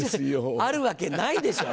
あるわけないでしょう。